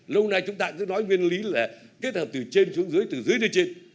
lâu nay chúng ta cứ nói nguyên lý là kết hợp từ trên xuống dưới từ dưới tới trên